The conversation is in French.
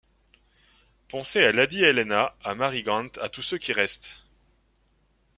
Pensez à lady Helena, à Mary Grant, à tous ceux qui restent!